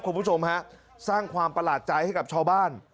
คุณผู้ชมฮะสร้างความประหลาดใจให้กับชาวบ้าน